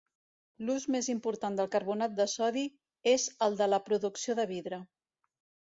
L'ús més important del carbonat de sodi és el de la producció de vidre.